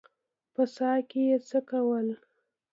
_په څاه کې دې څه کول؟